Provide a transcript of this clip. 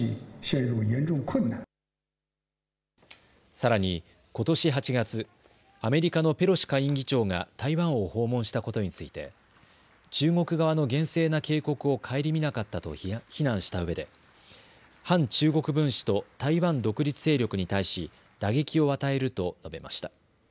さらに、ことし８月アメリカのペロシ下院議長が台湾を訪問したことについて中国側の厳正な警告を顧みなかったと非難したうえで反中国分子と台湾独立勢力に対し打撃を与えると述べました。